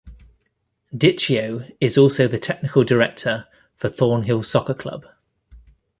Dichio is also the Technical Director for Thornhill Soccer Club.